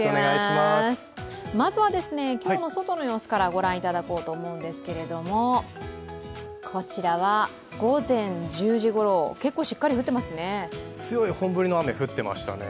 まずは今日の外の様子から御覧いただこうと思うんですけどこちらは午前１０時ごろ、結構しっかり降ってますね。